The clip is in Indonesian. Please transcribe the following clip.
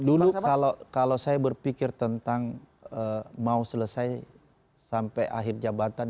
dulu kalau saya berpikir tentang mau selesai sampai akhir jabatan